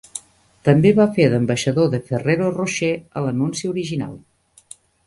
També va fer d'ambaixador de Ferrero Rocher a l'anunci original.